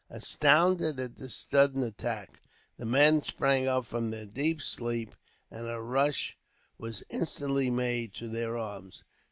Astounded at this sudden attack, the men sprang up from their deep sleep, and a rush was instantly made to their arms.